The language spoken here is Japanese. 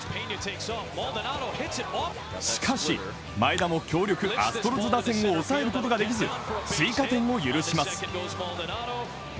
しかし、前田も強力アストロズ打線を抑えることができず、追加点を許します。